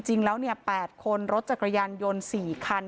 จริงแล้ว๘คนรถจักรยานยนต์๔คัน